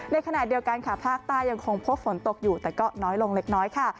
ในขณะเดียวกันค่ะภาคใต้ยังคงพบฝนตกอยู่แต่ก็น้อยลงเล็กน้อยค่ะ